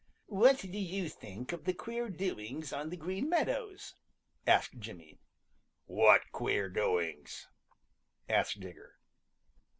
"What do you think of the queer doings on the Green Meadows?" asked Jimmy. "What queer doings?" asked Digger.